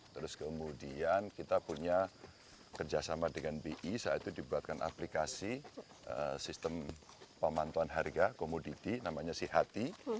terus kemudian kita punya kerjasama dengan bi saat itu dibuatkan aplikasi sistem pemantauan harga komoditi namanya sih hati